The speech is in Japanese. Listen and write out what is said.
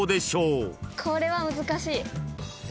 ・これは難しい。